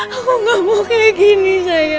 aku gak mau kaya gini